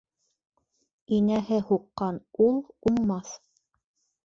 Инәһе һуҡҡан ул уңмаҫ.